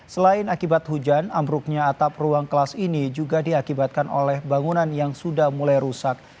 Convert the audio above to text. selain akibat hujan ambruknya atap ruang kelas ini juga diakibatkan oleh bangunan yang sudah mulai rusak